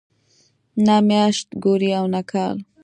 نه میاشت ګوري او نه کال.